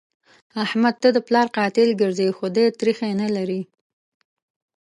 احمد ته د پلار قاتل ګرځي؛ خو دی تريخی نه لري.